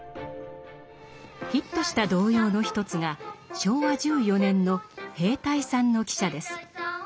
ヒットした童謡の一つが昭和１４年の「兵隊さんの汽車」です。